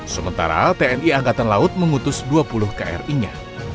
sementara tni angkatan laut mengutus dua puluh kri nya